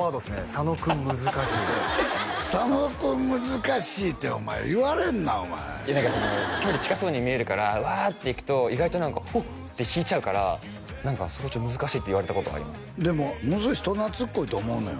「佐野君難しい」「佐野君難しい」ってお前言われんなお前いや何か距離近そうに見えるからわっていくと意外と何かおおって引いちゃうから何かすごい難しいって言われたことありますでもものすごい人懐っこいと思うのよ